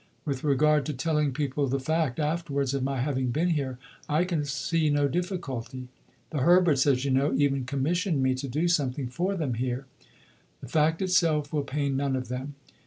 With regard to telling people the fact (afterwards) of my having been here, I can see no difficulty. The Herberts, as you know, even commissioned me to do something for them here. The fact itself will pain none of them."